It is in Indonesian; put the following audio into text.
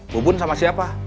bu bun sama siapa